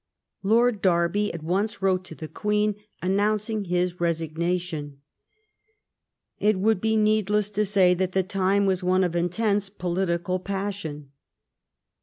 Lord Derby at once wrote to the Queen an nouncing his resignation. It would be needless to say that the time was one of intense political pas sion.